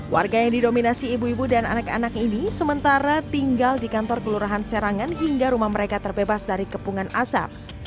warga yang didominasi ibu ibu dan anak anak ini sementara tinggal di kantor kelurahan serangan hingga rumah mereka terbebas dari kepungan asap